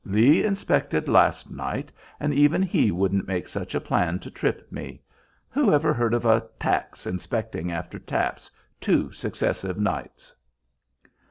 Lee inspected last night, and even he wouldn't make such a plan to trip me. Who ever heard of a 'tack's' inspecting after taps two successive nights?"